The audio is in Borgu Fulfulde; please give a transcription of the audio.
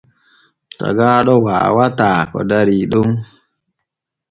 Tagaaɗo waawataa ko darii ɗon.